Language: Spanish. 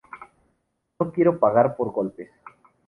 No quiero pagar por golpes.